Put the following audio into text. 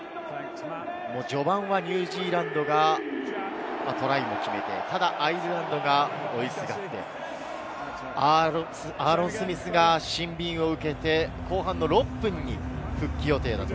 序盤はニュージーランドがトライを決めて、ただアイルランドが追いすがって、アーロン・スミスがシンビンを受けて、後半６分に復帰予定です。